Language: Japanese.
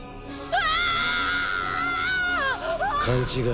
うわ！！